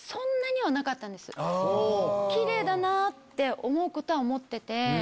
キレイだなぁって思うことは思ってて。